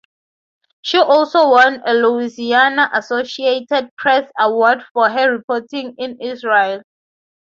She also won a Louisiana Associated Press Award for her reporting in Israel.